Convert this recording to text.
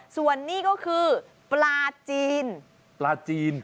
ส่วนนี่ก็คือปลาจีน